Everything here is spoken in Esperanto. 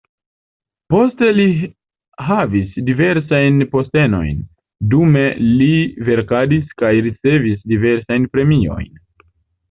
Poste li havis diversajn postenojn, dume li verkadis kaj ricevis diversajn premiojn.